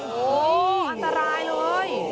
โอ้โหอันตรายเลย